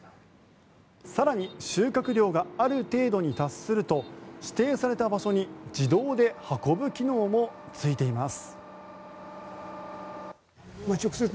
更に、収穫量がある程度に達すると指定された場所に自動で運ぶ機能もついています。